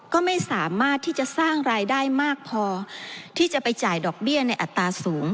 ก็ไม่สามารถที่จะสร้างรายได้มากพอที่จะไปจ่ายดอกเบี้ยในอัตราสูง